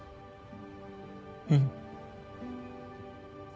うん。